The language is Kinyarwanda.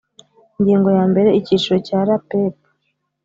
ingingo ya mbere icyicaro cya rapep